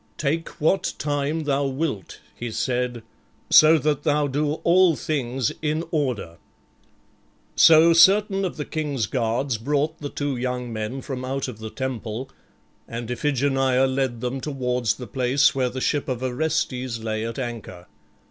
"Take what time thou wilt," he said, "so that thou do all things in order." So certain of the king's guards brought the two young men from out of the temple, and Iphigenia led them towards the place where the ship of Orestes lay at anchor.